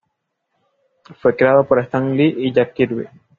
Fue creado por Stan Lee y Jack Kirby.